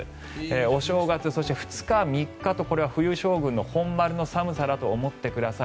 お正月、そして２日、３日とこれは冬将軍の本丸の寒さだと思ってください。